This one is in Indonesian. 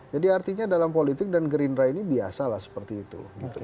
jadi artinya dalam politik dan green ray ini biasa lah seperti itu